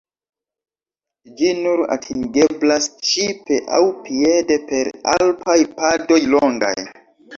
Ĝi nur atingeblas ŝipe aŭ piede per alpaj padoj longaj.